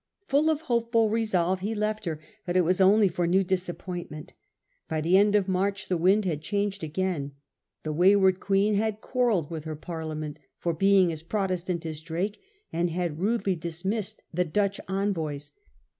Full of hopeful resolve he left her, but it was only for new disappointment By the end of March the wind had changed again. The wayward Queen had quarrelled with her Parliament for being as Protestant as Drake^ and had rudely dismissed the Dutch envoys.